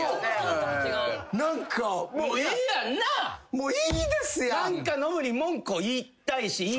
もういいですやん！